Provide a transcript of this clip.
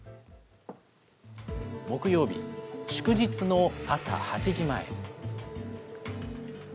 木曜日、祝日の朝８時前。